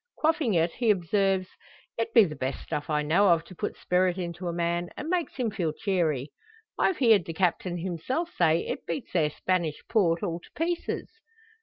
Quaffing it, he observes: "It be the best stuff I know of to put spirit into a man, an' makes him feel cheery. I've heerd the Captain hisself say, it beats their Spanish Port all to pieces."